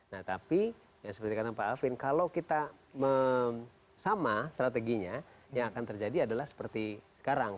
nah tapi yang seperti kata pak alvin kalau kita sama strateginya yang akan terjadi adalah seperti sekarang